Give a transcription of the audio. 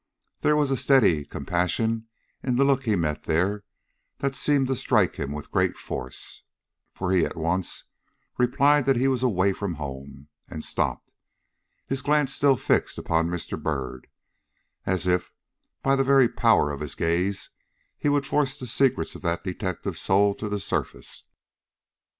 There was a steady compassion in the look he met there that seemed to strike him with great force, for he at once replied that he was away from home, and stopped his glance still fixed upon Mr. Byrd, as if, by the very power of his gaze, he would force the secrets of that detective's soul to the surface.